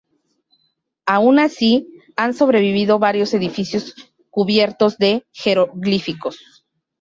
Aun así, han sobrevivido varios edificios cubiertos de jeroglíficos.